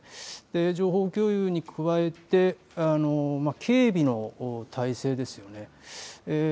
情報共有に加えて警備の体制ですよね。